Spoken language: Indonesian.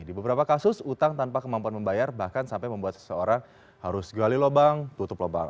di beberapa kasus utang tanpa kemampuan membayar bahkan sampai membuat seseorang harus gali lubang tutup lubang